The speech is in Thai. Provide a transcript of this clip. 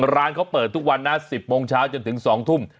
ร้านเขาเปิดทุกวันนะ๑๐โมงเช้าจนถึง๒ทุ่ม